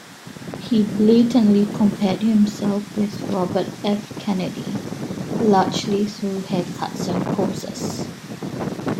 He blatantly compared himself with Robert F. Kennedy, largely through haircuts and poses.